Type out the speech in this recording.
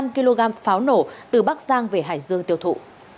một mươi năm kg pháo nổ từ bắc giang về hải dương tiêu thụ